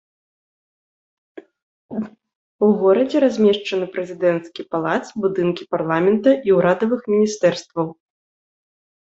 У горадзе размешчаны прэзідэнцкі палац, будынкі парламента і ўрадавых міністэрстваў.